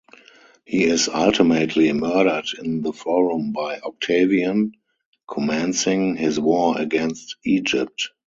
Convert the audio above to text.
He is ultimately murdered in the Forum by Octavian, commencing his war against Egypt.